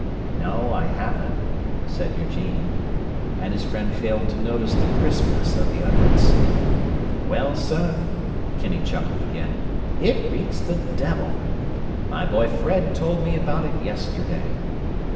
"No, I haven't," said Eugene, and his friend failed to notice the crispness of the utterance. "Well, sir," Kinney chuckled again, "it beats the devil! My boy Fred told me about it yesterday.